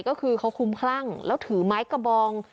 ก็คือเขาคุ้มคลั่งแล้วถือไม้กระบอง